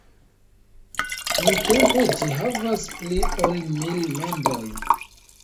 Nuntempe ĝi havas pli ol mil membroj.